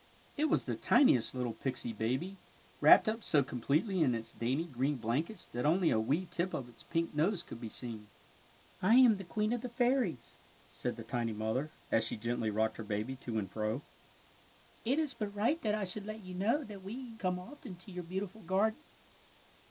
It was the tiniest little pixie baby, wrapped so completely in its dainty green blankets that only a wee tip of its pink nose could be seen. " 1 am the Queen of the Fairies,'' said the tiny mother, as she gently rocked her baby to and fro. ^^ It is but right that I should let you know that we come often to your beautiful garden."